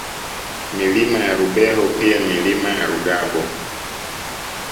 Milima ya Rubeho pia Milima ya Rugabo